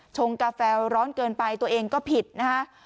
งกาแฟร้อนเกินไปตัวเองก็ผิดนะฮะ